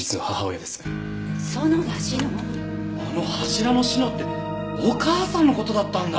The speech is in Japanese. あの柱の「しの」ってお母さんの事だったんだ！